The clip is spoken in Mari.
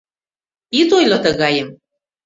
— Ит ойло тыгайым.